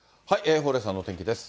蓬莱さんのお天気です。